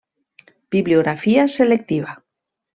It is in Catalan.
Bibliografia selectiva.